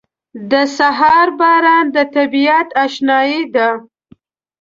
• د سهار باران د طبیعت اشنايي ده.